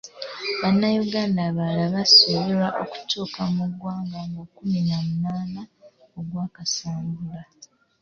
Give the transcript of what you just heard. Bannayuganda abalala basuubirwa okutuuka mu ggwanga nga kumi na munaana oggwa Kasambula.